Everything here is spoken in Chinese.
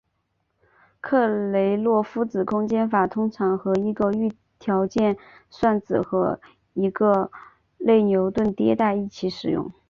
克雷洛夫子空间法通常和一个预条件算子和一个内牛顿迭代一起使用。